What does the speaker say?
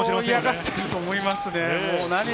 相当、嫌がっていると思いますね。